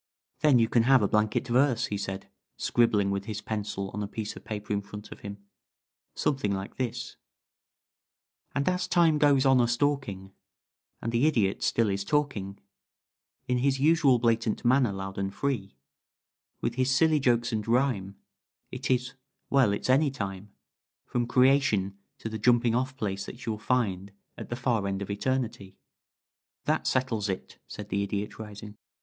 "Then you can have a blanket verse," he said, scribbling with his pencil on a piece of paper in front of him. "Something like this: "And as Time goes on a stalking, And the Idiot still is talking In his usual blatant manner, loud and free, With his silly jokes and rhyme, It is well it's any time From Creation to the jumping off place that you'll find at the far end of Eterni tie." "That settles it," said the Idiot, rising.